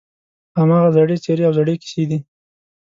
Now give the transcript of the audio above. هماغه زړې څېرې او زړې کیسې دي.